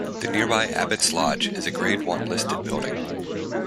The nearby Abbot's Lodge is a Grade One listed building.